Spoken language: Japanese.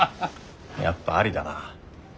やっぱありだな。